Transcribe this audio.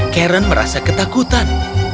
karen merasa ketakutan